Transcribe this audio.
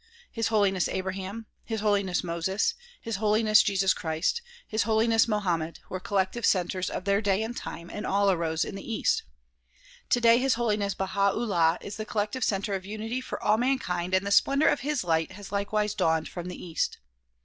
His Holiness Abraham, His Holiness Moses, His Holiness Jesus Christ, His Holiness Mohammed were collective centers of their day and time, and all arose in the east. Today His Holiness Baha 'Ullah is the collective center of unity for all mankind and the splendor of his light has likewise dawned from the east.